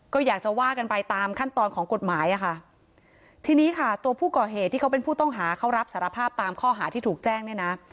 ก็อยากจะว่ากันไปตามขั้นตอนของกฎหมายอ่ะค่ะทีนี้ค่ะตัวผู้ก่อเหตุที่เขาเป็นผู้ต้องหาเขารับสารภาพตามข้อหาที่ถูกแจ้งเนี่ยนะ